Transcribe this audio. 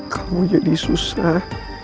kamu jadi susah